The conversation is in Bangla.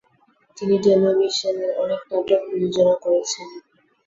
তিনি টেলিভিশনের অনেক নাটক প্রযোজনা করেছেন।